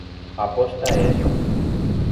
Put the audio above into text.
A aposta é esa.